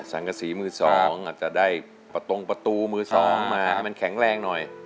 สังกษีมือสองอาจจะได้ประตงประตูมือสองมาให้มันแข็งแรงหน่อย